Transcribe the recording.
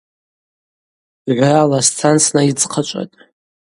Гӏврала сцан снайыдзхъачӏватӏ.